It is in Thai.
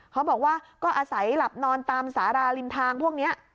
เขาบอกว่าก็อาศัยหลับนอนตามสาราริมทางพวกนี้